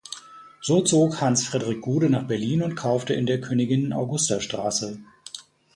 So zog Hans Fredrik Gude nach Berlin und kaufte in der Königin-Augusta-Str.